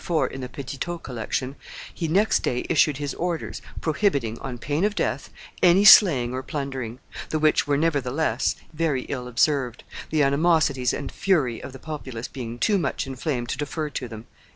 244, in the Petitot collection), "he next day issued his orders, prohibiting, on pain of death, any slaying or plundering; the which were, nevertheless, very ill observed, the animosities and fury of the populace being too much inflamed to defer to them."